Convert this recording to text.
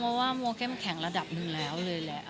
เพราะว่าโมเข้มแข็งระดับหนึ่งแล้วเลยแหละ